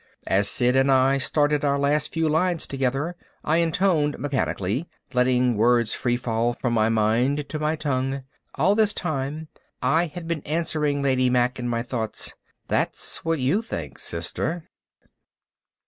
As Sid and I started our last few lines together I intoned mechanically, letting words free fall from my mind to my tongue. All this time I had been answering Lady Mack in my thoughts, _That's what you think, sister.